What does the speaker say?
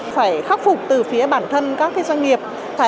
phải khắc phục từ phía bản thân các doanh nghiệp